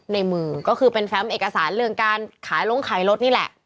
ในมือก็คือเป็นแฟมเอกสารเรื่องการขายลงขายรถนี่แหละ